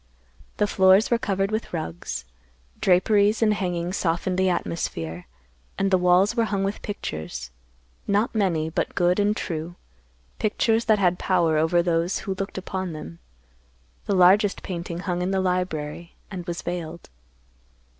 The floors were covered with rugs. Draperies and hangings softened the atmosphere; and the walls were hung with pictures; not many, but good and true; pictures that had power over those who looked upon them. The largest painting hung in the library and was veiled.